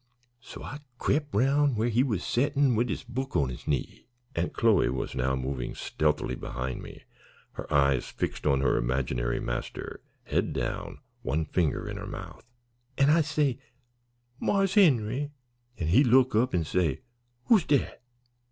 So I crep' 'round where he was a settin' wid his book on his knee," Aunt Chloe was now moving stealthily behind me, her eyes fixed on her imaginary master, head down, one finger in her mouth, "an' I say, 'Marse Henry!' An' he look up an' say, 'Who's dat?'